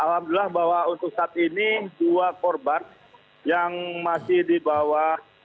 alhamdulillah bahwa untuk saat ini dua korban yang masih di bawah